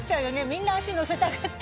みんな足乗せたがって。